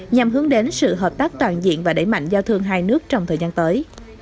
nhằm hướng đến sự hợp tác toàn diện và đẩy mạnh giao thương hai nước trong thời gian tới